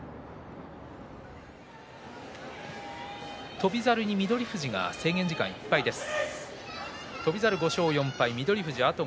翔猿に翠富士が制限時間いっぱいです。